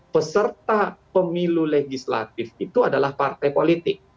peserta pemilu legislatif itu adalah partai politik